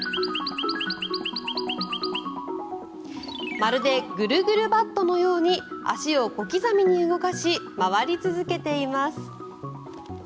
まるで、ぐるぐるバットのように足を小刻みに動かし回り続けています。